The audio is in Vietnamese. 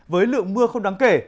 với lượng mưa không đáng kể